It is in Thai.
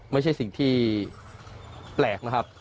ไม่ใช่สิ่งที่แปลกนะครับ